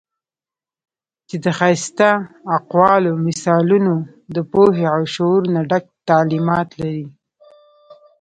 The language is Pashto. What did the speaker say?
چې د ښائسته اقوالو، مثالونو د پوهې او شعور نه ډک تعليمات لري